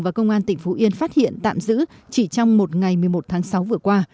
và công an tỉnh phú yên phát hiện tạm giữ chỉ trong một ngày một mươi một tháng sáu vừa qua